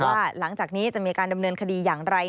หลังจากนี้จะมีการดำเนินคดีอย่างไร